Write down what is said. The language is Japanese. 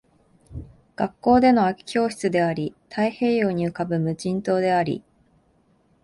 学校での空き教室であり、太平洋に浮ぶ無人島であり